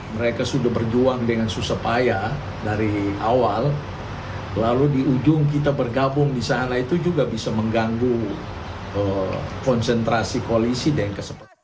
mereka sudah berjuang dengan susah payah dari awal lalu di ujung kita bergabung di sana itu juga bisa mengganggu konsentrasi koalisi dengan kesempatan